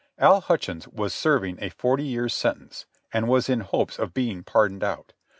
Al Hutchins was serving a forty years' sentence, and was in hopes of being pardoned out.